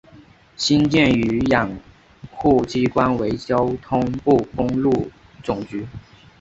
新建与养护机关为交通部公路总局。